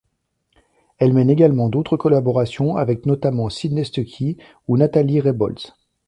Elle mène également d'autres collaborations avec notamment Sidney Stucki ou Nathalie Rebholz.